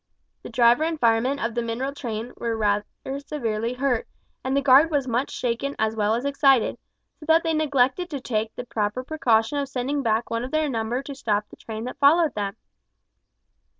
The driver and fireman of the mineral train were rather severely hurt, and the guard was much shaken as well as excited, so that they neglected to take the proper precaution of sending back one of their number to stop the train that followed them.